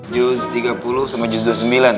jus tiga puluh sama jus dua puluh sembilan ya